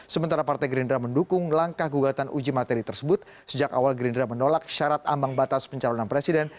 sementara partai gerindra mendukung langkah gugatan uji materi tersebut sejak awal gerindra menolak syarat ambang batas pencalonan presiden